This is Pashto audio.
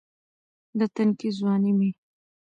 دا تنکے ځواني مې